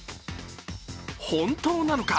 本当なのか？